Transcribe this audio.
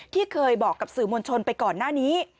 ที่เคยบอกกับสื่อมวลชนไปก่อนหน้านี้